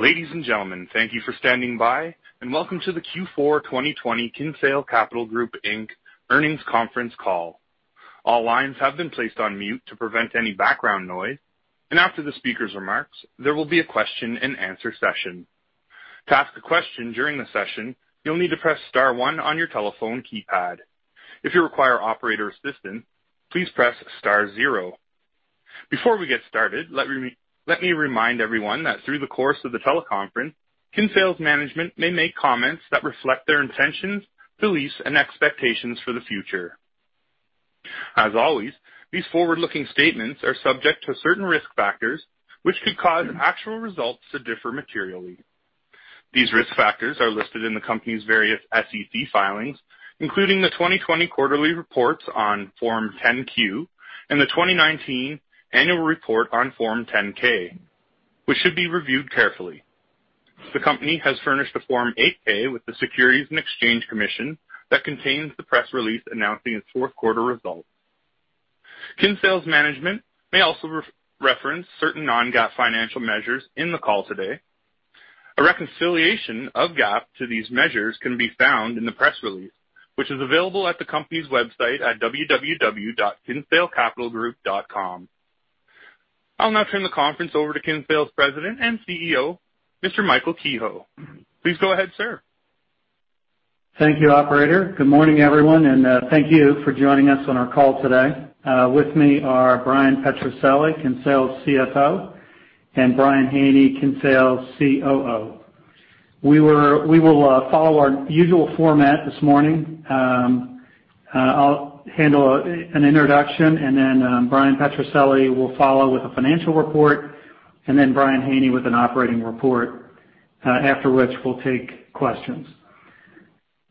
Ladies and gentlemen, thank you for standing by, and welcome to the Q4 2020 Kinsale Capital Group Earnings Conference Call. All lines have been placed on mute to prevent any background noise, and after the speaker's remarks, there will be a question and answer session. To ask a question during the session, you'll need to press star one on your telephone keypad. If you require operator assistance, please press star zero. Before we get started, let me remind everyone that through the course of the teleconference, Kinsale's management may make comments that reflect their intentions, beliefs, and expectations for the future. As always, these forward-looking statements are subject to certain risk factors, which could cause actual results to differ materially. These risk factors are listed in the company's various SEC filings, including the 2020 quarterly reports on Form 10-Q and the 2019 annual report on Form 10-K, which should be reviewed carefully. The company has furnished a Form 8-K with the Securities and Exchange Commission that contains the press release announcing its fourth quarter results. Kinsale's management may also reference certain non-GAAP financial measures in the call today. A reconciliation of GAAP to these measures can be found in the press release, which is available at the company's website at www.kinsalecapitalgroup.com. I'll now turn the conference over to Kinsale's President and CEO, Mr. Michael Kehoe. Please go ahead, sir. Thank you, Operator. Good morning, everyone, and thank you for joining us on our call today. With me are Brian Petrucelli, Kinsale's CFO, and Brian Haney, Kinsale's COO. We will follow our usual format this morning. I'll handle an introduction, and then Brian Petrucelli will follow with a financial report, and then Brian Haney with an operating report, after which we'll take questions.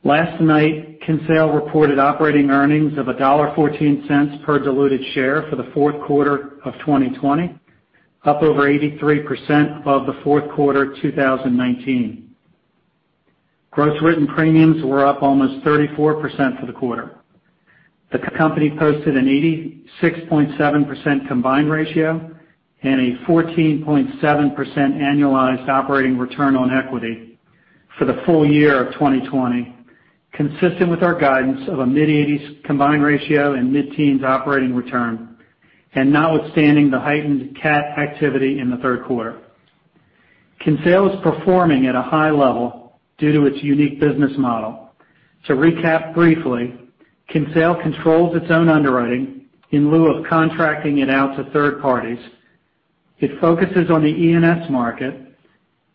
Last night, Kinsale reported operating earnings of $1.14 per diluted share for the fourth quarter of 2020, up over 83% above the fourth quarter of 2019. Gross written premiums were up almost 34% for the quarter. The company posted an 86.7% combined ratio and a 14.7% annualized operating return on equity for the full year of 2020, consistent with our guidance of a mid-80s combined ratio and mid-teens operating return, and notwithstanding the heightened CAT activity in the third quarter. Kinsale is performing at a high level due to its unique business model. To recap briefly, Kinsale controls its own underwriting in lieu of contracting it out to third parties. It focuses on the E&S market,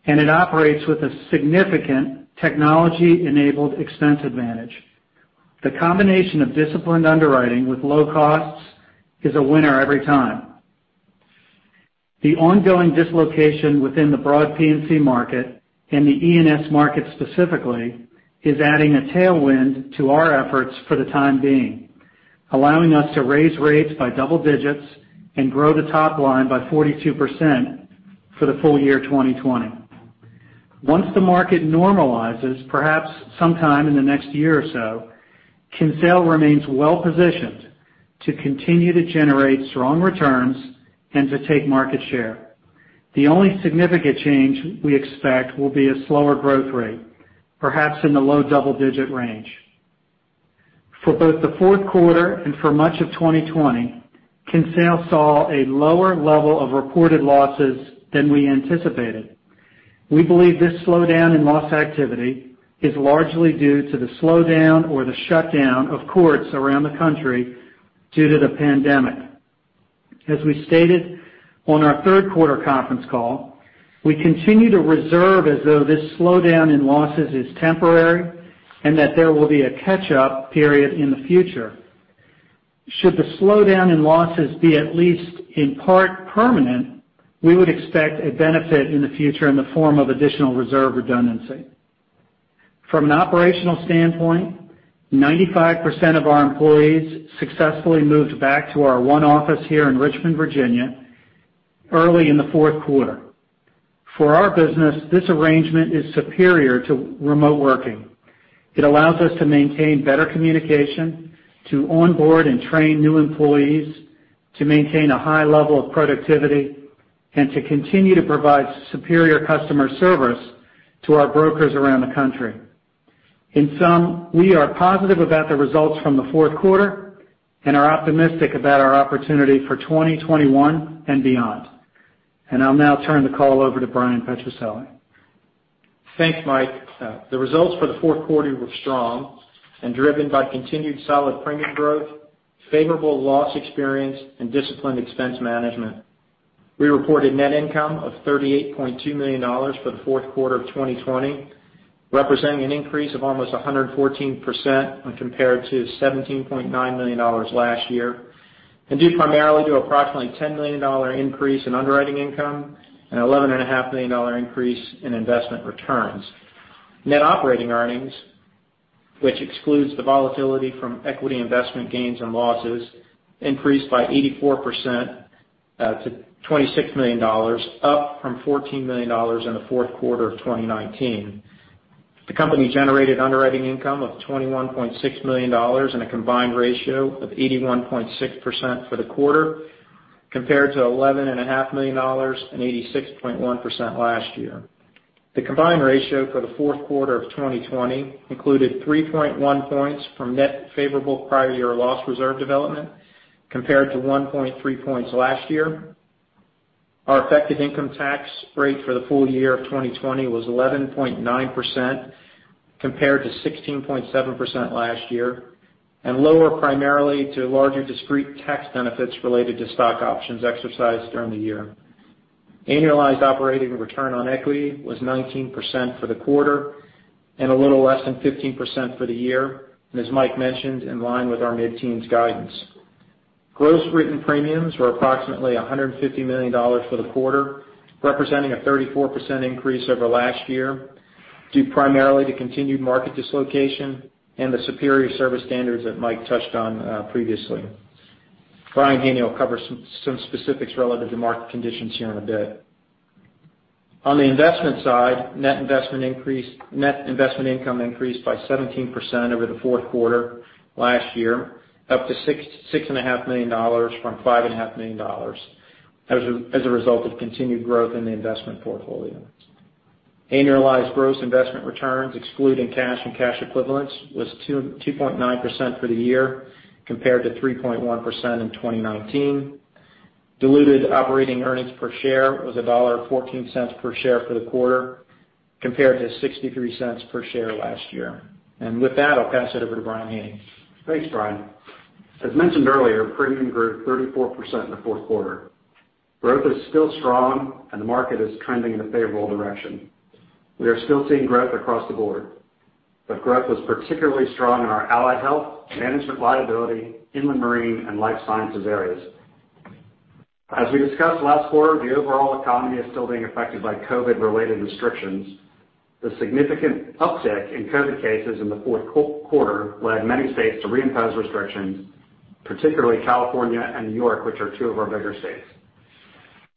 and it operates with a significant technology-enabled expense advantage. The combination of disciplined underwriting with low costs is a winner every time. The ongoing dislocation within the broad P&C market and the E&S market specifically is adding a tailwind to our efforts for the time being, allowing us to raise rates by double-digits and grow the top line by 42% for the full year 2020. Once the market normalizes, perhaps sometime in the next year or so, Kinsale remains well-positioned to continue to generate strong returns and to take market share. The only significant change we expect will be a slower growth rate, perhaps in the low double-digit range. For both the fourth quarter and for much of 2020, Kinsale saw a lower level of reported losses than we anticipated. We believe this slowdown in loss activity is largely due to the slowdown or the shutdown of courts around the country due to the pandemic. As we stated on our third quarter conference call, we continue to reserve as though this slowdown in losses is temporary and that there will be a catch-up period in the future. Should the slowdown in losses be at least in part permanent, we would expect a benefit in the future in the form of additional reserve redundancy. From an operational standpoint, 95% of our employees successfully moved back to our one office here in Richmond, Virginia, early in the fourth quarter. For our business, this arrangement is superior to remote working. It allows us to maintain better communication, to onboard and train new employees, to maintain a high level of productivity, and to continue to provide superior customer service to our brokers around the country. In sum, we are positive about the results from the fourth quarter and are optimistic about our opportunity for 2021 and beyond. I will now turn the call over to Brian Petrucelli. Thanks, Mike. The results for the fourth quarter were strong and driven by continued solid premium growth, favorable loss experience, and disciplined expense management. We reported net income of $38.2 million for the fourth quarter of 2020, representing an increase of almost 114% when compared to $17.9 million last year, and due primarily to an approximately $10 million increase in underwriting income and an $11.5 million increase in investment returns. Net operating earnings, which excludes the volatility from equity investment gains and losses, increased by 84% to $26 million, up from $14 million in the fourth quarter of 2019. The company generated underwriting income of $21.6 million and a combined ratio of 81.6% for the quarter compared to $11.5 million and 86.1% last year. The combined ratio for the fourth quarter of 2020 included 3.1 points from net favorable prior year loss reserve development compared to 1.3 points last year. Our effective income tax rate for the full year of 2020 was 11.9% compared to 16.7% last year, and lower primarily due to larger discrete tax benefits related to stock options exercised during the year. Annualized operating return on equity was 19% for the quarter and a little less than 15% for the year, as Mike mentioned, in line with our mid-teens guidance. Gross written premiums were approximately $150 million for the quarter, representing a 34% increase over last year, due primarily to continued market dislocation and the superior service standards that Mike touched on previously. Brian Haney will cover some specifics relative to market conditions here in a bit. On the investment side, net investment income increased by 17% over the fourth quarter last year, up to $6.5 million from $5.5 million as a result of continued growth in the investment portfolio. Annualized gross investment returns, excluding cash and cash equivalents, was 2.9% for the year compared to 3.1% in 2019. Diluted operating earnings per share was $1.14 per share for the quarter compared to $0.63 per share last year. With that, I'll pass it over to Brian Haney. Thanks, Bryan. As mentioned earlier, premium grew 34% in the fourth quarter. Growth is still strong, and the market is trending in a favorable direction. We are still seeing growth across the board, but growth was particularly strong in our allied health, management liability, in the marine, and life sciences areas. As we discussed last quarter, the overall economy is still being affected by COVID-related restrictions. The significant uptick in COVID cases in the fourth quarter led many states to reimpose restrictions, particularly California and New York, which are two of our bigger states.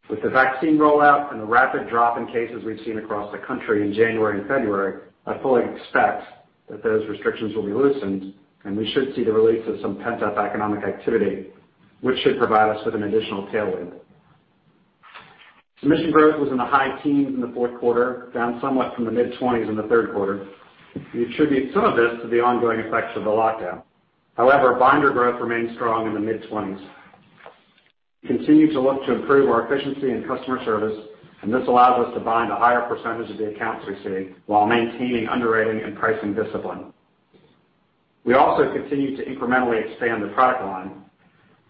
With the vaccine rollout and the rapid drop in cases we've seen across the country in January and February, I fully expect that those restrictions will be loosened, and we should see the release of some pent-up economic activity, which should provide us with an additional tailwind. Submission growth was in the high teens in the fourth quarter, down somewhat from the mid-20s in the third quarter. We attribute some of this to the ongoing effects of the lockdown. However, binder growth remained strong in the mid-20s. We continue to look to improve our efficiency and customer service, and this allows us to bind a higher percentage of the accounts we see while maintaining underwriting and pricing discipline. We also continue to incrementally expand the product line.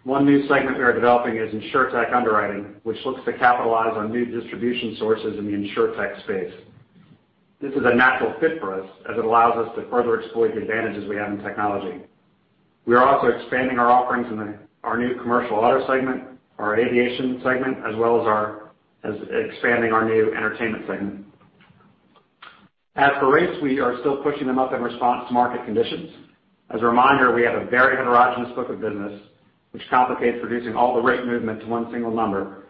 One new segment we are developing is insurtech underwriting, which looks to capitalize on new distribution sources in the insurtech space. This is a natural fit for us as it allows us to further exploit the advantages we have in technology. We are also expanding our offerings in our new commercial auto segment, our aviation segment, as well as expanding our new entertainment segment. As for rates, we are still pushing them up in response to market conditions. As a reminder, we have a very heterogeneous book of business, which complicates reducing all the rate movement to one single number.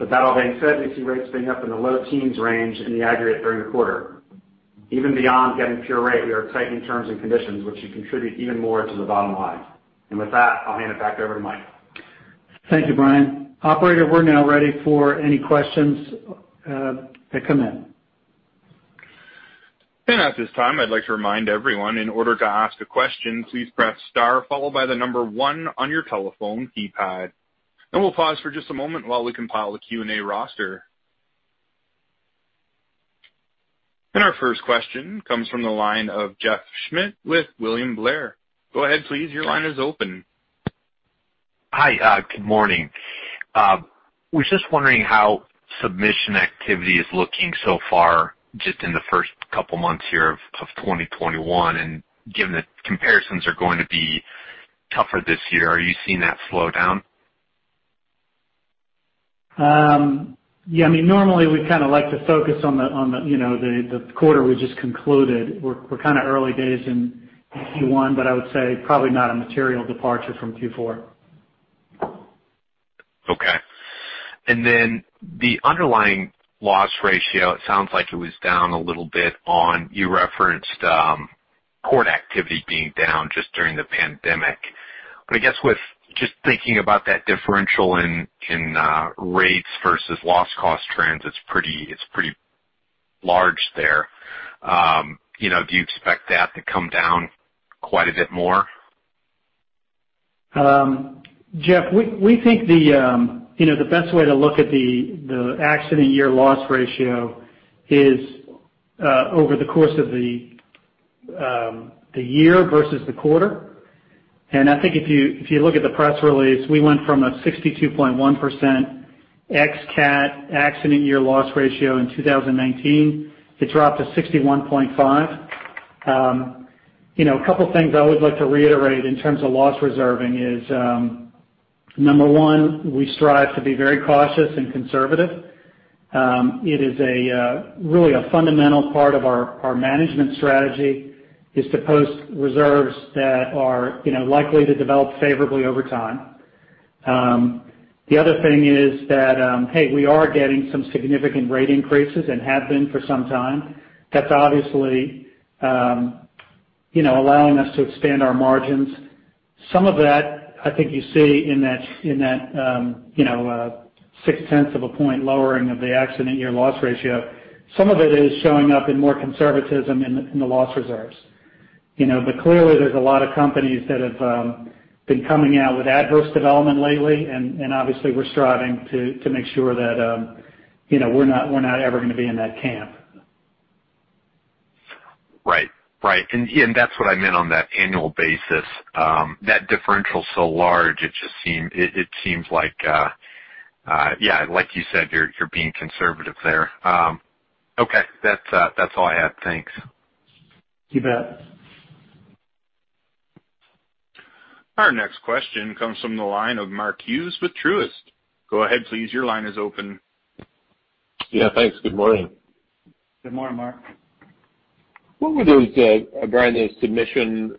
That all being said, we see rates being up in the low teens range in the aggregate during the quarter. Even beyond getting pure rate, we are tightening terms and conditions, which should contribute even more to the bottom line. With that, I'll hand it back over to Mike. Thank you, Brian. Operator, we're now ready for any questions that come in. At this time, I'd like to remind everyone in order to ask a question, please press Star followed by the number one on your telephone keypad. We'll pause for just a moment while we compile the Q&A roster. Our first question comes from the line of Jeff Schmidt with William Blair. Go ahead, please. Your line is open. Hi, good morning. We're just wondering how submission activity is looking so far just in the first couple of months here of 2021, and given that comparisons are going to be tougher this year, are you seeing that slow down? Yeah, I mean, normally we kind of like to focus on the quarter we just concluded. We're kind of early days in Q1, but I would say probably not a material departure from Q4. Okay. Then the underlying loss ratio, it sounds like it was down a little bit on you referenced port activity being down just during the pandemic. I guess with just thinking about that differential in rates versus loss cost trends, it's pretty large there. Do you expect that to come down quite a bit more? Jeff, we think the best way to look at the accident year loss ratio is over the course of the year versus the quarter. I think if you look at the press release, we went from a 62.1% ex-CAT accident year loss ratio in 2019 to drop to 61.5. A couple of things I always like to reiterate in terms of loss reserving is, number one, we strive to be very cautious and conservative. It is really a fundamental part of our management strategy is to post reserves that are likely to develop favorably over time. The other thing is that, hey, we are getting some significant rate increases and have been for some time. That's obviously allowing us to expand our margins. Some of that, I think you see in that six-tenths of a point lowering of the accident year loss ratio. Some of it is showing up in more conservatism in the loss reserves. Clearly, there's a lot of companies that have been coming out with adverse development lately, and obviously we're striving to make sure that we're not ever going to be in that camp. Right. Right. That is what I meant on that annual basis. That differential is so large, it seems like, yeah, like you said, you are being conservative there. Okay. That is all I had. Thanks. You bet. Our next question comes from the line of Mark Hughes with Truist. Go ahead, please. Your line is open. Yeah, thanks. Good morning. Good morning, Mark. What were those submission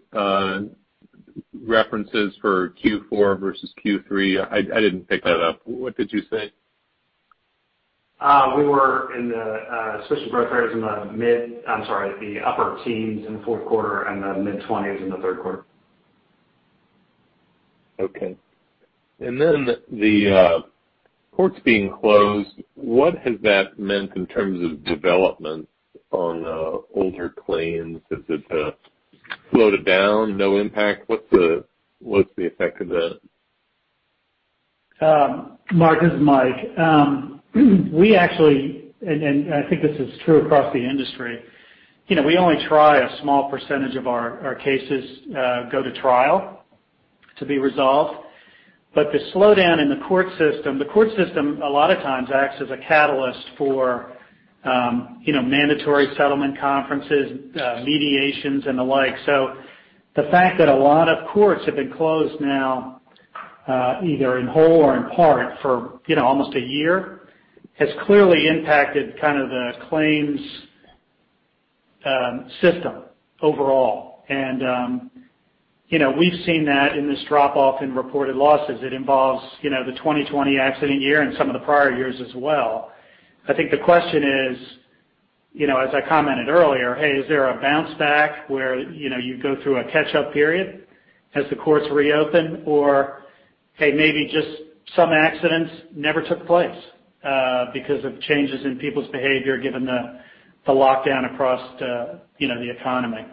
references for Q4 versus Q3? I didn't pick that up. What did you say? We were in the submission growth rates in the upper teens in the fourth quarter and the mid-20s in the third quarter. Okay. The ports being closed, what has that meant in terms of development on older claims? Has it slowed it down? No impact? What's the effect of that? Mark is Mike. We actually—and I think this is true across the industry—we only try a small percentage of our cases go to trial to be resolved. The slowdown in the court system, the court system a lot of times acts as a catalyst for mandatory settlement conferences, mediations, and the like. The fact that a lot of courts have been closed now, either in whole or in part, for almost a year has clearly impacted kind of the claims system overall. We have seen that in this drop-off in reported losses. It involves the 2020 accident year and some of the prior years as well. I think the question is, as I commented earlier, hey, is there a bounce back where you go through a catch-up period as the courts reopen, or hey, maybe just some accidents never took place because of changes in people's behavior given the lockdown across the economy?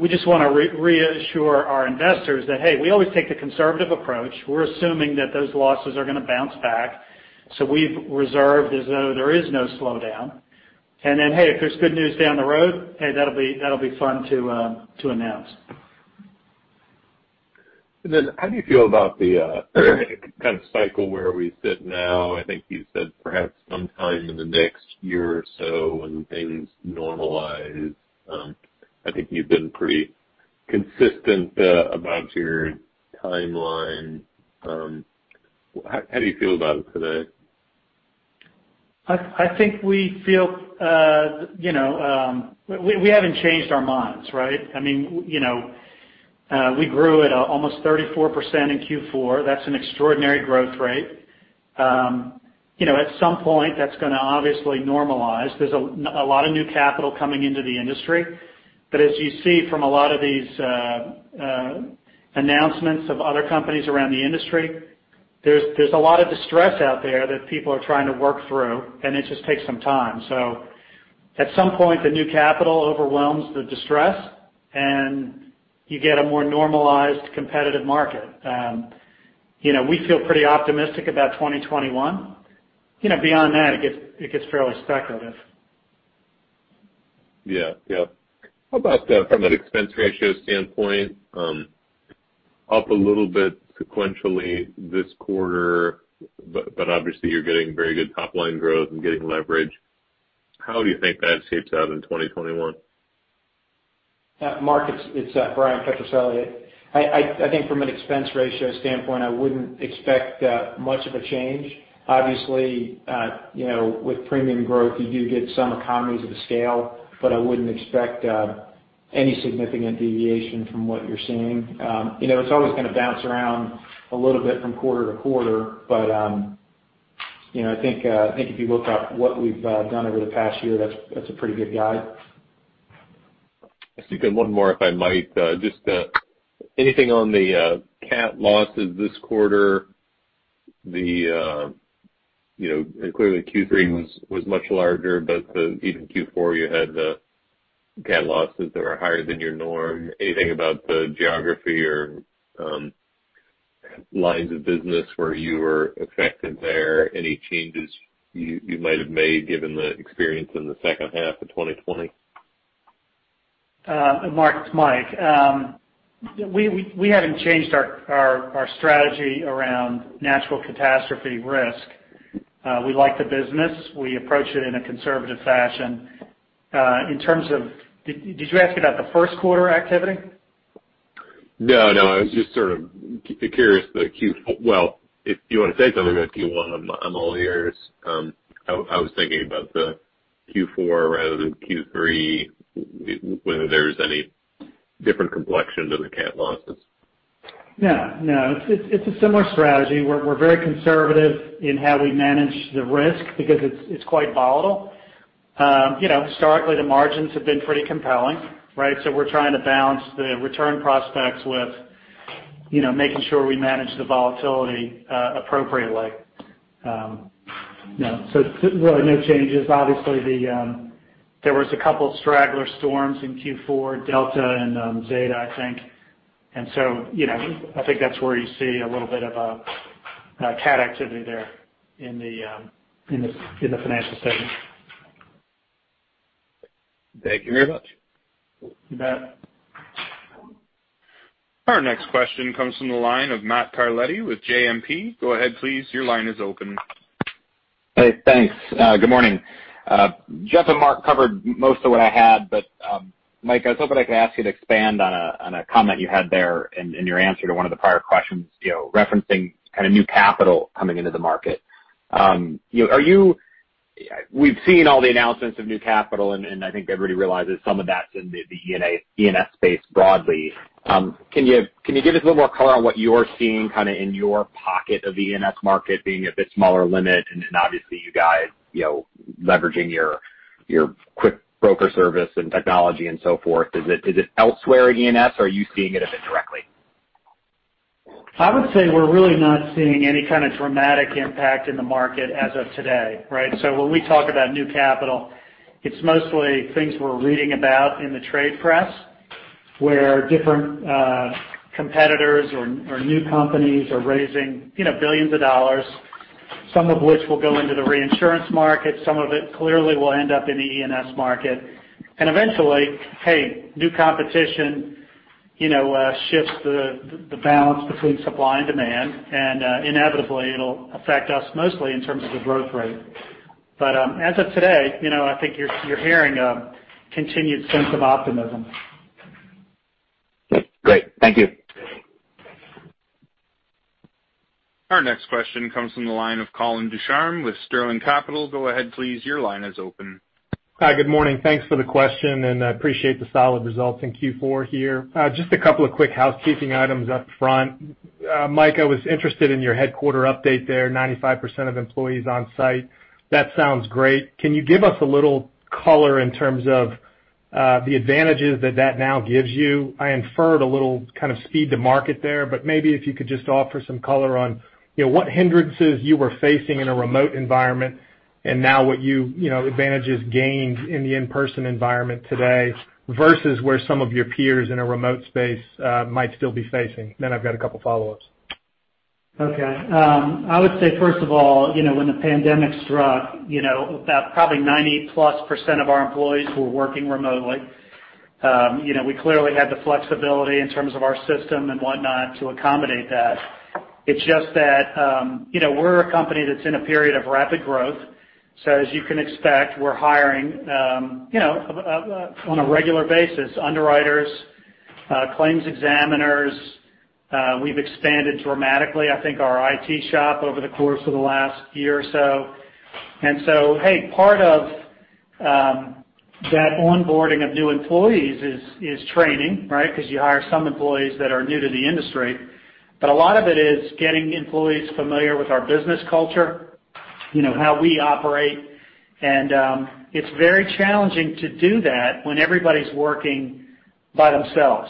We just want to reassure our investors that, hey, we always take the conservative approach. We're assuming that those losses are going to bounce back. We have reserved as though there is no slowdown. If there is good news down the road, hey, that'll be fun to announce. How do you feel about the kind of cycle where we sit now? I think you said perhaps sometime in the next year or so when things normalize. I think you've been pretty consistent about your timeline. How do you feel about it today? I think we feel we haven't changed our minds, right? I mean, we grew at almost 34% in Q4. That's an extraordinary growth rate. At some point, that's going to obviously normalize. There's a lot of new capital coming into the industry. As you see from a lot of these announcements of other companies around the industry, there's a lot of distress out there that people are trying to work through, and it just takes some time. At some point, the new capital overwhelms the distress, and you get a more normalized competitive market. We feel pretty optimistic about 2021. Beyond that, it gets fairly speculative. Yeah. Yeah. How about from an expense ratio standpoint? Up a little bit sequentially this quarter, but obviously you're getting very good top-line growth and getting leverage. How do you think that shapes out in 2021? Mark, it's Bryan Petrucelli. I think from an expense ratio standpoint, I wouldn't expect much of a change. Obviously, with premium growth, you do get some economies of scale, but I wouldn't expect any significant deviation from what you're seeing. It's always going to bounce around a little bit from quarter to quarter, but I think if you look up what we've done over the past year, that's a pretty good guide. If you can, one more, if I might, just anything on the CAT losses this quarter? Clearly, Q3 was much larger, but even Q4, you had CAT losses that were higher than your norm. Anything about the geography or lines of business where you were affected there? Any changes you might have made given the experience in the second half of 2020? Mark, it's Mike. We haven't changed our strategy around natural catastrophe risk. We like the business. We approach it in a conservative fashion. In terms of—did you ask about the first quarter activity? No, no. I was just sort of curious the Q—well, if you want to say something about Q1, I'm all ears. I was thinking about the Q4 rather than Q3, whether there's any different complexion to the CAT losses. No, no. It's a similar strategy. We're very conservative in how we manage the risk because it's quite volatile. Historically, the margins have been pretty compelling, right? We're trying to balance the return prospects with making sure we manage the volatility appropriately. No, really no changes. Obviously, there were a couple of straggler storms in Q4, Delta and Zeta, I think. I think that's where you see a little bit of CAT activity there in the financial statement. Thank you very much. You bet. Our next question comes from the line of Matt Carletti with JMP. Go ahead, please. Your line is open. Hey, thanks. Good morning. Jeff and Mark covered most of what I had, but Mike, I was hoping I could ask you to expand on a comment you had there in your answer to one of the prior questions referencing kind of new capital coming into the market. We've seen all the announcements of new capital, and I think everybody realizes some of that's in the E&S space broadly. Can you give us a little more color on what you're seeing kind of in your pocket of the E&S market being a bit smaller limit? Obviously, you guys leveraging your quick broker service and technology and so forth. Is it elsewhere in E&S, or are you seeing it a bit directly? I would say we're really not seeing any kind of dramatic impact in the market as of today, right? When we talk about new capital, it's mostly things we're reading about in the trade press where different competitors or new companies are raising billions of dollars, some of which will go into the reinsurance market. Some of it clearly will end up in the E&S market. Eventually, hey, new competition shifts the balance between supply and demand, and inevitably, it'll affect us mostly in terms of the growth rate. As of today, I think you're hearing a continued sense of optimism. Our next question comes from the line of Colin Ducharme with Sterling Capital. Go ahead, please. Your line is open. Hi, good morning. Thanks for the question, and I appreciate the solid results in Q4 here. Just a couple of quick housekeeping items up front. Mike, I was interested in your headquarter update there, 95% of employees on site. That sounds great. Can you give us a little color in terms of the advantages that that now gives you? I inferred a little kind of speed to market there, but maybe if you could just offer some color on what hindrances you were facing in a remote environment and now what advantages gained in the in-person environment today versus where some of your peers in a remote space might still be facing. I have got a couple of follow-ups. Okay. I would say, first of all, when the pandemic struck, about probably 90%+ of our employees were working remotely. We clearly had the flexibility in terms of our system and whatnot to accommodate that. It's just that we're a company that's in a period of rapid growth. As you can expect, we're hiring on a regular basis underwriters, claims examiners. We've expanded dramatically, I think, our IT shop over the course of the last year or so. Part of that onboarding of new employees is training, right? Because you hire some employees that are new to the industry. A lot of it is getting employees familiar with our business culture, how we operate. It's very challenging to do that when everybody's working by themselves.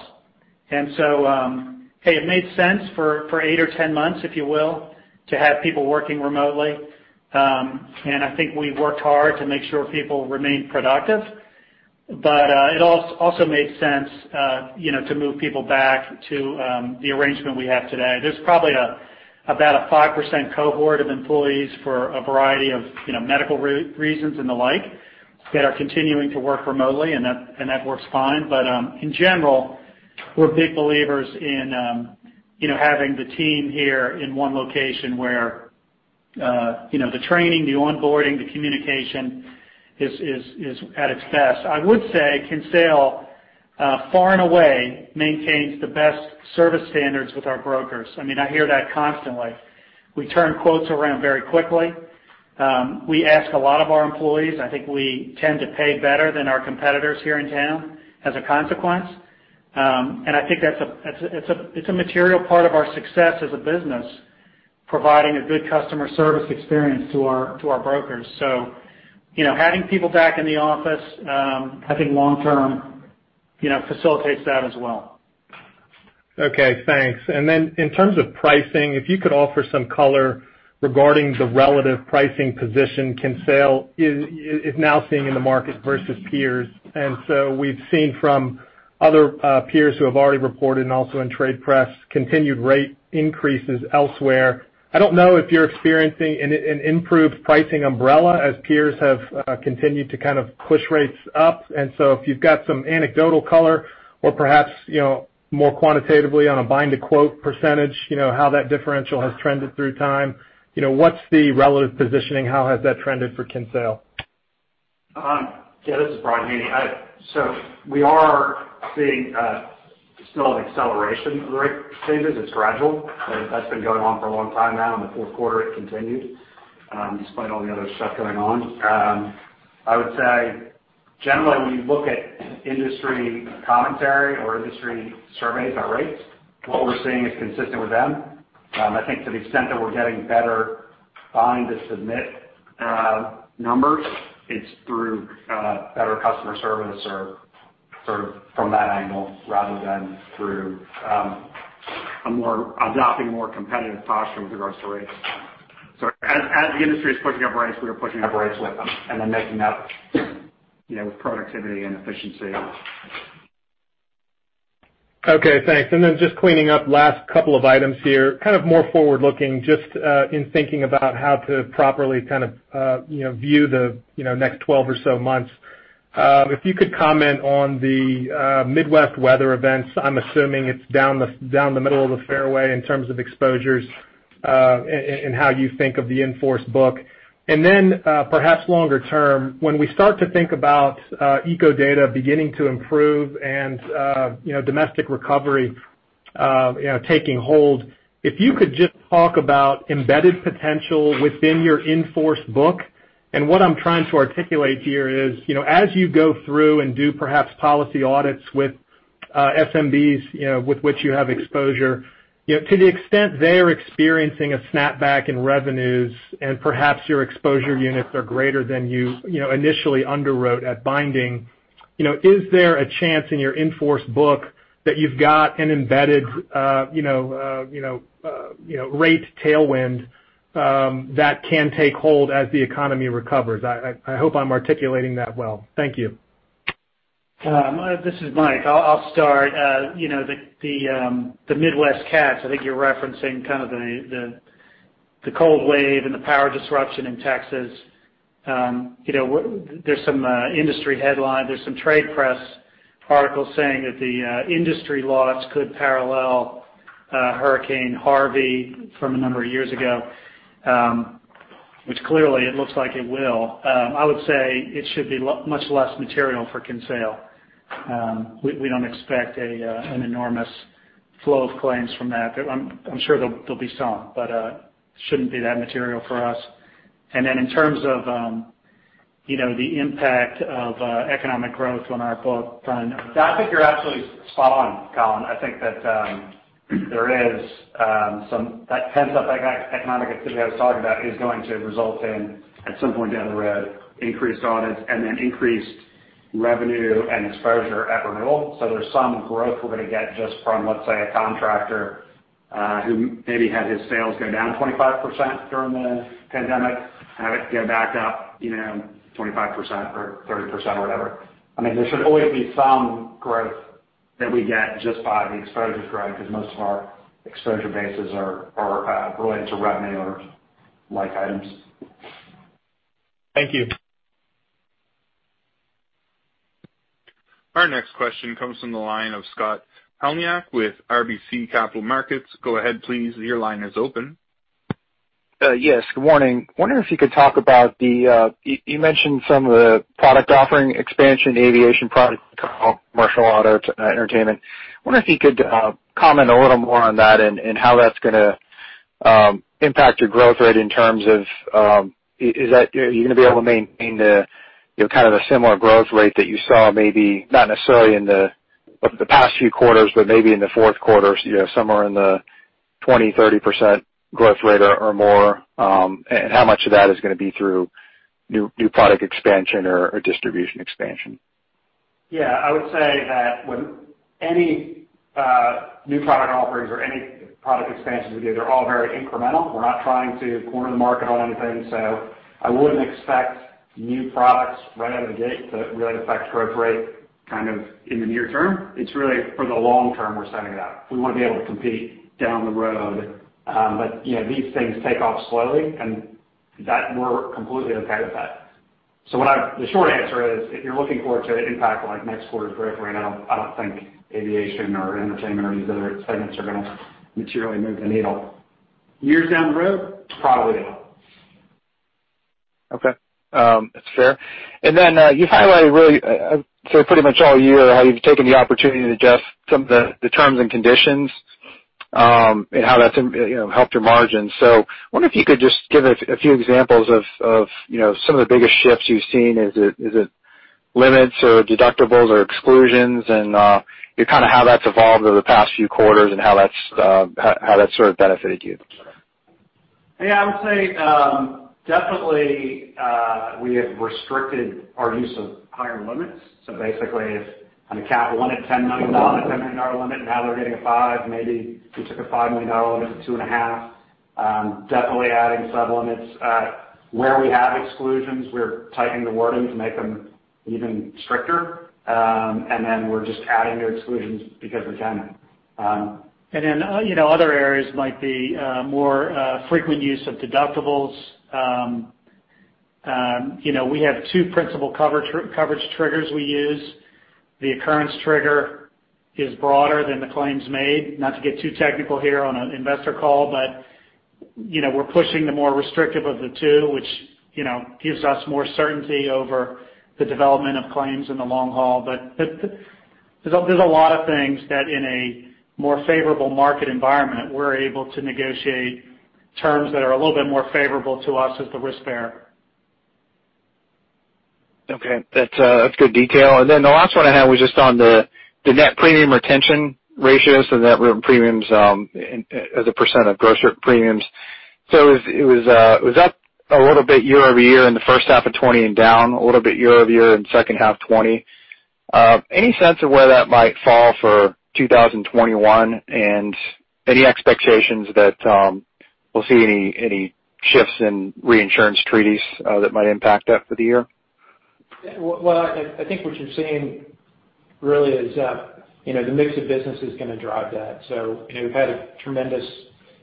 It made sense for eight or 10 months, if you will, to have people working remotely. I think we worked hard to make sure people remained productive. It also made sense to move people back to the arrangement we have today. There's probably about a 5% cohort of employees for a variety of medical reasons and the like that are continuing to work remotely, and that works fine. In general, we're big believers in having the team here in one location where the training, the onboarding, the communication is at its best. I would say Kinsale far and away maintains the best service standards with our brokers. I mean, I hear that constantly. We turn quotes around very quickly. We ask a lot of our employees. I think we tend to pay better than our competitors here in town as a consequence. I think that's a material part of our success as a business, providing a good customer service experience to our brokers. Having people back in the office, I think long-term facilitates that as well. Okay. Thanks. In terms of pricing, if you could offer some color regarding the relative pricing position Kinsale is now seeing in the market versus peers. We've seen from other peers who have already reported and also in trade press continued rate increases elsewhere. I don't know if you're experiencing an improved pricing umbrella as peers have continued to kind of push rates up. If you've got some anecdotal color or perhaps more quantitatively on a buying-to-quote percentage, how that differential has trended through time, what's the relative positioning? How has that trended for Kinsale? Yeah. This is Brian Haney. We are seeing still an acceleration of the rate changes. It's gradual. That's been going on for a long time now. In the fourth quarter, it continued despite all the other stuff going on. I would say generally, when you look at industry commentary or industry surveys about rates, what we're seeing is consistent with them. I think to the extent that we're getting better buying-to-submit numbers, it's through better customer service or sort of from that angle rather than through adopting a more competitive posture with regards to rates. As the industry is pushing up rates, we are pushing up rates with them and then making up with productivity and efficiency. Okay. Thanks. And then just cleaning up last couple of items here, kind of more forward-looking, just in thinking about how to properly kind of view the next 12 or so months. If you could comment on the Midwest weather events, I'm assuming it's down the middle of the fairway in terms of exposures and how you think of the enforced book. Perhaps longer term, when we start to think about eco data beginning to improve and domestic recovery taking hold, if you could just talk about embedded potential within your enforced book. What I'm trying to articulate here is as you go through and do perhaps policy audits with SMBs with which you have exposure, to the extent they're experiencing a snapback in revenues and perhaps your exposure units are greater than you initially underwrote at binding, is there a chance in your enforced book that you've got an embedded rate tailwind that can take hold as the economy recovers? I hope I'm articulating that well. Thank you. This is Mike. I'll start. The Midwest CATs, I think you're referencing kind of the cold wave and the power disruption in Texas. There are some industry headlines. There are some trade press articles saying that the industry loss could parallel Hurricane Harvey from a number of years ago, which clearly it looks like it will. I would say it should be much less material for Kinsale. We do not expect an enormous flow of claims from that. I'm sure there will be some, but it should not be that material for us. In terms of the impact of economic growth on our book, I think you're absolutely spot on, Colin. I think that there is some of that heads up that economic activity I was talking about is going to result in, at some point down the road, increased audits and then increased revenue and exposure at renewal. There is some growth we are going to get just from, let's say, a contractor who maybe had his sales go down 25% during the pandemic, have it go back up 25% or 30% or whatever. I mean, there should always be some growth that we get just by the exposure growth because most of our exposure bases are related to revenue or like items. Thank you. Our next question comes from the line of Scott Helmiak with RBC Capital Markets. Go ahead, please. Your line is open. Yes. Good morning. Wondering if you could talk about the—you mentioned some of the product offering expansion, aviation product, commercial auto, entertainment. I wonder if you could comment a little more on that and how that's going to impact your growth rate in terms of—are you going to be able to maintain kind of a similar growth rate that you saw maybe not necessarily in the past few quarters, but maybe in the fourth quarter, somewhere in the 20%-30% growth rate or more? And how much of that is going to be through new product expansion or distribution expansion? Yeah. I would say that with any new product offerings or any product expansions we do, they're all very incremental. We're not trying to corner the market on anything. I wouldn't expect new products right out of the gate to really affect growth rate kind of in the near term. It's really for the long-term we're setting it up. We want to be able to compete down the road. These things take off slowly, and we're completely okay with that. The short answer is if you're looking forward to impact like next quarter's growth rate, I don't think aviation or entertainment or these other segments are going to materially move the needle. Years down the road, probably not. Okay. That's fair. You highlighted really pretty much all year how you've taken the opportunity to adjust some of the terms and conditions and how that's helped your margins. I wonder if you could just give us a few examples of some of the biggest shifts you've seen. Is it limits or deductibles or exclusions and kind of how that's evolved over the past few quarters and how that's sort of benefited you? Yeah. I would say definitely we have restricted our use of higher limits. Basically, if on a cap, one at $10 million, a $10 million limit, now they're getting a $5 million. Maybe we took a $5 million limit to $2.5 million. Definitely adding sub-limits. Where we have exclusions, we're tightening the wording to make them even stricter. Then we're just adding new exclusions because we can. Other areas might be more frequent use of deductibles. We have two principal coverage triggers we use. The occurrence trigger is broader than the claims made. Not to get too technical here on an investor call, but we're pushing the more restrictive of the two, which gives us more certainty over the development of claims in the long haul. There are a lot of things that in a more favorable market environment, we're able to negotiate terms that are a little bit more favorable to us as the risk bearer. Okay. That's good detail. The last one I have was just on the net premium retention ratio. Net premiums as a percent of gross premiums. It was up a little bit year-over-year in the first half of 2020 and down a little bit year-over-year in the second half of 2020. Any sense of where that might fall for 2021 and any expectations that we'll see any shifts in reinsurance treaties that might impact that for the year? I think what you're seeing really is the mix of business is going to drive that. We've had a tremendous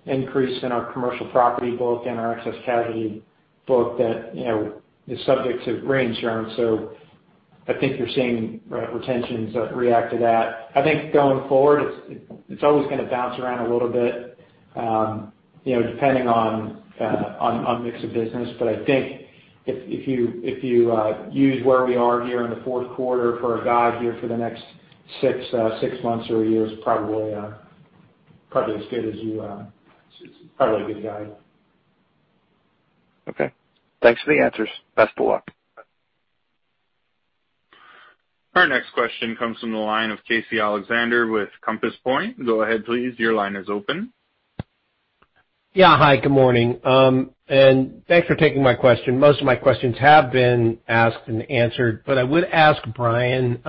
increase in our commercial property book and our excess casualty book that is subject to reinsurance. I think you're seeing retentions that react to that. I think going forward, it's always going to bounce around a little bit depending on mix of business. I think if you use where we are here in the fourth quarter for a guide here for the next six months or a year, it's probably as good as you—it's probably a good guide. Okay. Thanks for the answers. Best of luck. Our next question comes from the line of Casey Alexander with Compass Point. Go ahead, please. Your line is open. Yeah. Hi. Good morning. Thanks for taking my question. Most of my questions have been asked and answered, but I would ask Brian.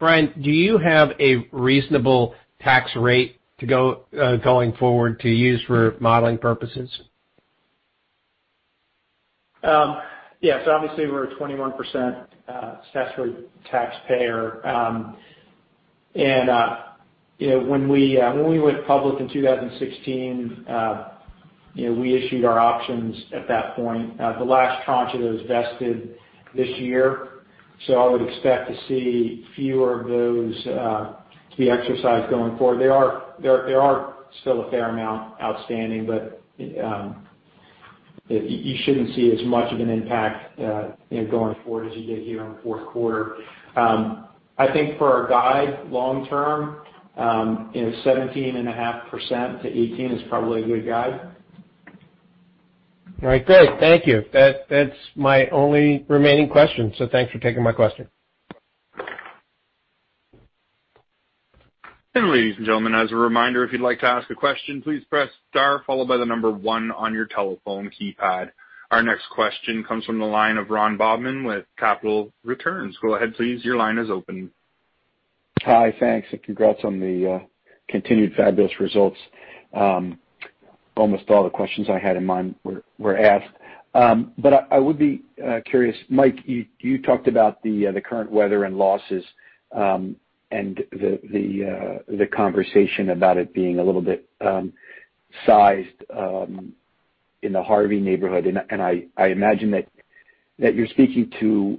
Brian, do you have a reasonable tax rate going forward to use for modeling purposes? Yeah. Obviously, we're a 21% statutory taxpayer. When we went public in 2016, we issued our options at that point. The last tranche of those vested this year. I would expect to see fewer of those to be exercised going forward. There are still a fair amount outstanding, but you shouldn't see as much of an impact going forward as you did here in the fourth quarter. I think for our guide, long-term, 17.5%-18% is probably a good guide. All right. Great. Thank you. That is my only remaining question. Thank you for taking my question. Ladies and gentlemen, as a reminder, if you'd like to ask a question, please press star followed by the number one on your telephone keypad. Our next question comes from the line of Ron Bobman with Capital Returns. Go ahead, please. Your line is open. Hi. Thanks. Congrats on the continued fabulous results. Almost all the questions I had in mind were asked. I would be curious, Mike, you talked about the current weather and losses and the conversation about it being a little bit sized in the Harvey neighborhood. I imagine that you're speaking to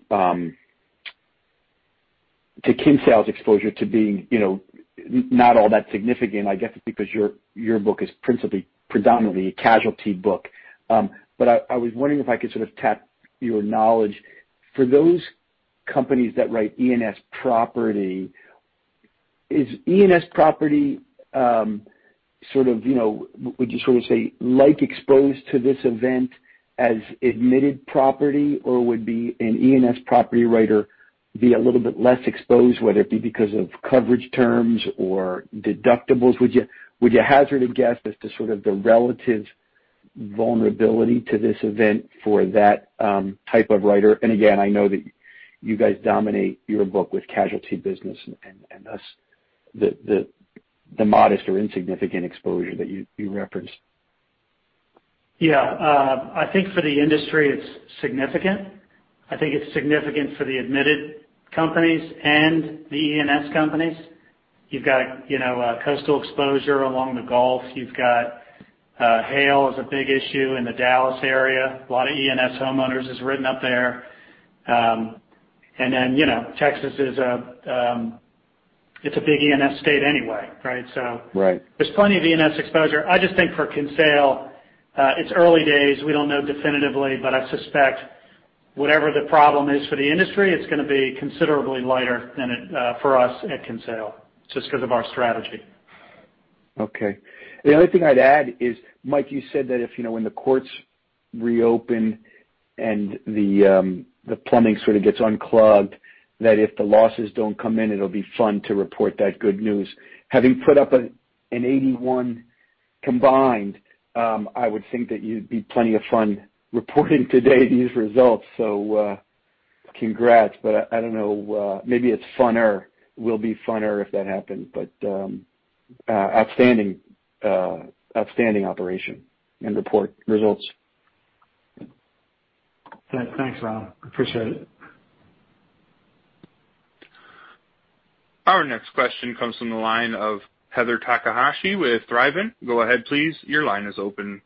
Kinsale's exposure to being not all that significant. I guess it's because your book is principally predominantly a casualty book. I was wondering if I could sort of tap your knowledge. For those companies that write E&S property, is E&S property sort of—would you sort of say like exposed to this event as admitted property, or would an E&S property writer be a little bit less exposed, whether it be because of coverage terms or deductibles? Would you hazard a guess as to sort of the relative vulnerability to this event for that type of writer? I know that you guys dominate your book with casualty business and thus the modest or insignificant exposure that you referenced. Yeah. I think for the industry, it's significant. I think it's significant for the admitted companies and the E&S companies. You've got coastal exposure along the Gulf. You've got hail is a big issue in the Dallas area. A lot of E&S homeowners is written up there. Texas is a big E&S state anyway, right? So there's plenty of E&S exposure. I just think for Kinsale, it's early days. We don't know definitively, but I suspect whatever the problem is for the industry, it's going to be considerably lighter for us at Kinsale just because of our strategy. Okay. The only thing I'd add is, Mike, you said that if when the courts reopen and the plumbing sort of gets unplugged, that if the losses don't come in, it'll be fun to report that good news. Having put up an 81 combined, I would think that you'd be plenty of fun reporting today these results. Congrats. I don't know. Maybe it's funner, will be funner if that happens, but outstanding operation and report results. Thanks, Ron. Appreciate it. Our next question comes from the line of Heather Takahashi with Thriven. Go ahead, please. Your line is open.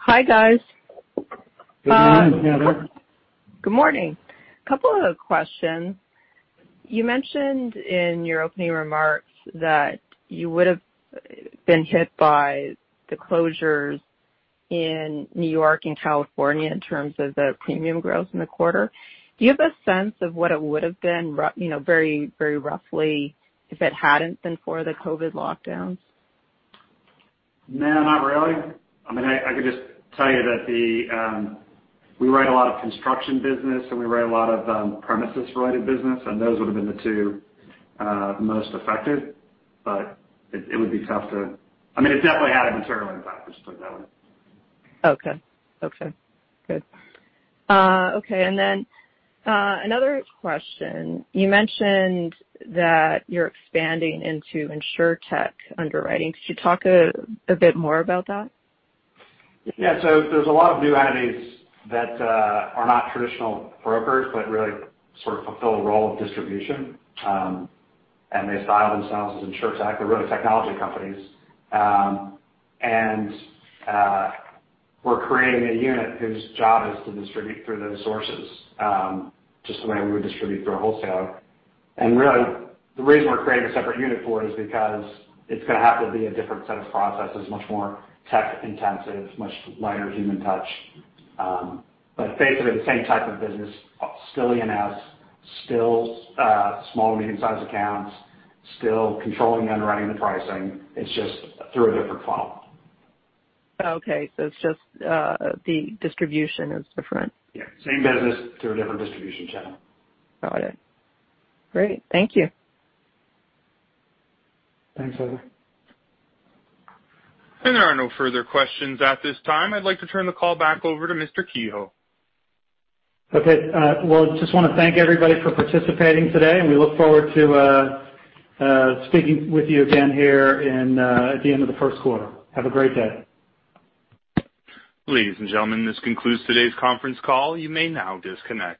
Hi guys. Good morning, Heather. Good morning. A couple of questions. You mentioned in your opening remarks that you would have been hit by the closures in New York and California in terms of the premium growth in the quarter. Do you have a sense of what it would have been very, very roughly if it hadn't been for the COVID lockdowns? No, not really. I mean, I could just tell you that we write a lot of construction business, and we write a lot of premises-related business. Those would have been the two most affected. It would be tough to—I mean, it definitely had a material impact, let's put it that way. Okay. Good. Okay. Another question. You mentioned that you're expanding into insurtech underwriting. Could you talk a bit more about that? Yeah. There are a lot of new entities that are not traditional brokers but really sort of fulfill a role of distribution. They style themselves as insurtech. They are really technology companies. We are creating a unit whose job is to distribute through those sources just the way we would distribute through a wholesaler. The reason we are creating a separate unit for it is because it is going to have to be a different set of processes, much more tech-intensive, much lighter human touch. Basically, the same type of business, still E&S, still small and medium-sized accounts, still controlling and underwriting the pricing. It is just through a different funnel. Okay. It's just the distribution is different. Yeah. Same business through a different distribution channel. Got it. Great. Thank you. Thanks, Heather. There are no further questions at this time. I'd like to turn the call back over to Mr. Kehoe. Okay. I just want to thank everybody for participating today. We look forward to speaking with you again here at the end of the first quarter. Have a great day. Ladies and gentlemen, this concludes today's conference call. You may now disconnect.